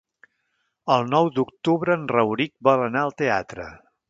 El nou d'octubre en Rauric vol anar al teatre.